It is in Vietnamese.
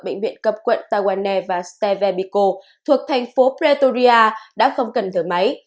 bệnh viện cấp quận tawane và stevebiko thuộc thành phố pretoria đã không cần thở máy